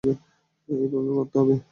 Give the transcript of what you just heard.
এইভাবে করতে করতে।